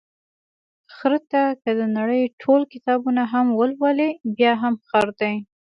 خره ته که د نړۍ ټول کتابونه هم ولولې، بیا هم خر دی.